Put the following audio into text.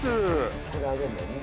これあげんだよね